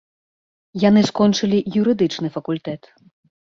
Яны скончылі юрыдычны факультэт.